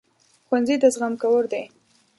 ښوونځی د زغم کور دی